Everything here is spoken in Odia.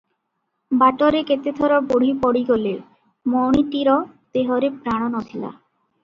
ବାଟରେ କେତେଥର ବୁଢ଼ୀ ପଡ଼ିଗଲେ- ମଣିଟିର ଦେହରେ ପ୍ରାଣ ନ ଥିଲା ।